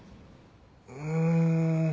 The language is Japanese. うん。